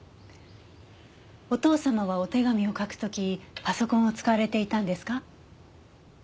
お父様はお手紙を書く時パソコンを使われていたんですか？